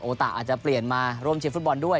ตะอาจจะเปลี่ยนมาร่วมเชียร์ฟุตบอลด้วย